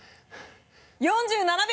４７秒！